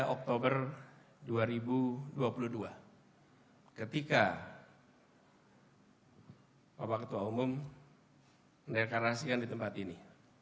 tiga oktober dua ribu dua puluh dua ketika bapak ketua umum mendeklarasikan di tempat ini